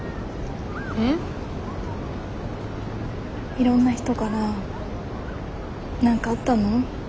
いろんな人から「何かあったの？」